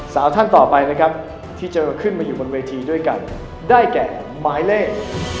สาวท่านต่อไปนะครับที่เจอขึ้นมาอยู่บนเวทีด้วยกันได้แก่หมายเลข